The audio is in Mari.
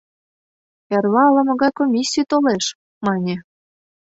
— Эрла ала-могай комиссий толеш, — мане.